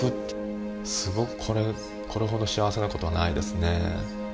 すごくこれほど幸せな事はないですね。